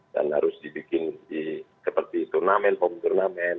dan harus dibikin seperti turnamen pom turnamen